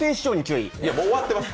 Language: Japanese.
いや、もう終わってます